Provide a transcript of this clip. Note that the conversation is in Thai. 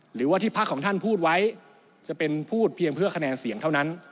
หรือว่าที่พักของท่านพูดไว้จะเป็นพูดเพียงเพื่อคะแนนเสียงเท่านั้น